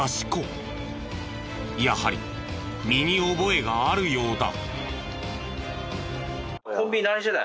やはり身に覚えがあるようだ。